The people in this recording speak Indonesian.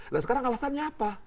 nah sekarang alasannya apa